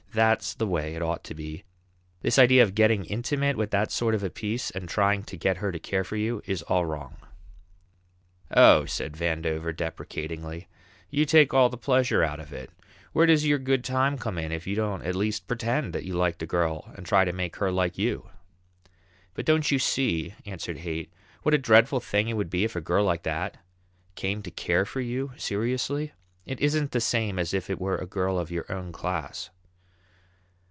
That's the way it ought to be! This idea of getting intimate with that sort of a piece, and trying to get her to care for you, is all wrong." "Oh," said Vandover deprecatingly, "you take all the pleasure out of it; where does your good time come in if you don't at least pretend that you like the girl and try to make her like you?" "But don't you see," answered Haight, "what a dreadful thing it would be if a girl like that came to care for you seriously? It isn't the same as if it were a girl of your own class."